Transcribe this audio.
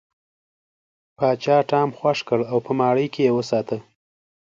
پاچا ټام خوښ کړ او په ماڼۍ کې یې وساته.